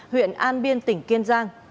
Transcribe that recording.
huyện an biên tỉnh kiên giang